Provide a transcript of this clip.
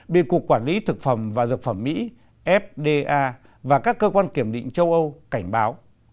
bị cục quản lý thực phẩm và dược phẩm mỹ fda và các cơ quan kiểm định châu âu cảnh báo